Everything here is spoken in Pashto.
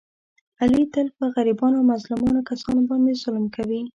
علي تل په غریبانو او مظلومو کسانو باندې ظلم کوي.